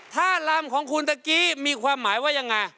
ท่ารามของคุณเมื่อกี้มีความหมายว่ายังไง